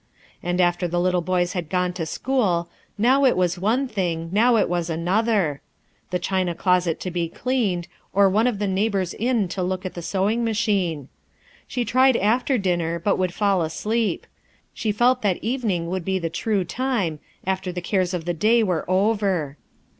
And after the little boys had gone to school, now it was one thing, now it was another, the china closet to be cleaned, or one of the neighbors in to look at the sewing machine. She tried after dinner, but would fall asleep. She felt that evening would be the true time, after the cares of the day were over.